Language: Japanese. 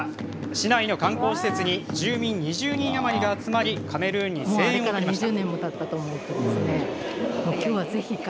市内の観光施設に住民２０人余りが集まりカメルーンに声援を送りました。